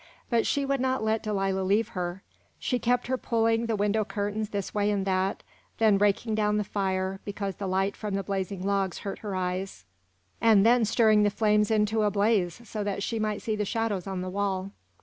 But she would not let Delilah leave her. She kept her pulling the window curtains this way and that, then raking down the fire because the light from the blazing logs hurt her eyes, and then stirring the flames into a blaze so that she might see the shadows on the wall.